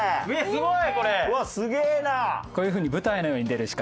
すごい！